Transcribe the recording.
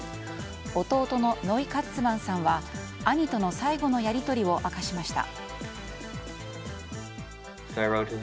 弟のノイ・カッツマンさんは兄との最後のやり取りを明かしました。